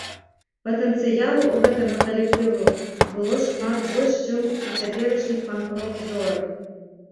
Патэнцыялу ў гэтага калектыву было нашмат больш чым у цяперашніх панк-рок зорак.